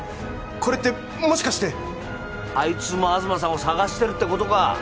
これってもしかしてあいつも東さんを捜してるってことか！